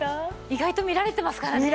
意外と見られてますからね。